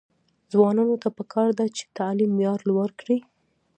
ځوانانو ته پکار ده چې، تعلیم معیار لوړ کړي.